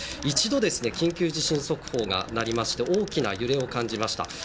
一度、緊急地震速報が鳴りまして大きな揺れを感じました。